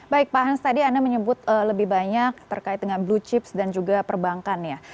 baik pak hans tadi anda menyebut lebih banyak terkait dengan blue chips dan juga perbankan ya